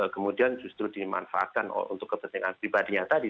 kemudian justru dimanfaatkan untuk kepentingan pribadinya tadi